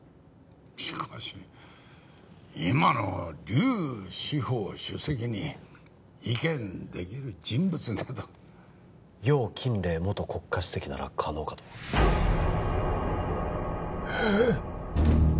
しかし今の劉至邦主席に意見できる人物など楊錦黎元国家主席なら可能かとええっ！？